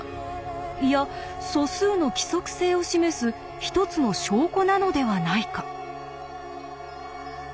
いや素数の規則性を示す一つの証拠なのではないか？